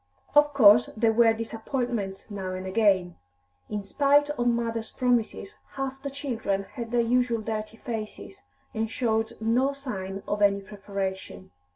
Of course there were disappointments now and again. In spite of mothers' promises, half the children had their usual dirty faces, and showed no sign of any preparation.